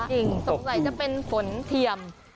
จริงตกทั่วฟ้าสมมุติจะเป็นฝนเทียม